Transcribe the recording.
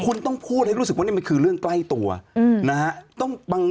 คุณต้องพูดให้รู้สึกว่านี่มันคือเรื่องใกล้ตัวนะฮะ